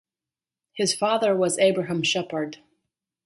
His father was Abraham Sheppard.